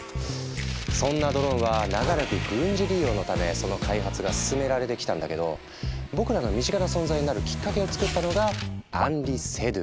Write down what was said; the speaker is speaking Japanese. そんなドローンは長らく軍事利用のためその開発が進められてきたんだけど僕らの身近な存在になるきっかけを作ったのがアンリ・セドゥ。